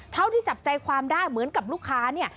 เท่าที่จับใจความได้เหมือนกับลูกค้าเนี่ย